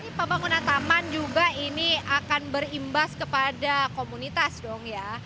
jadi pembangunan taman juga ini akan berimbas kepada komunitas dong ya